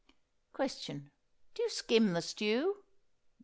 Question. Do you skim the stew?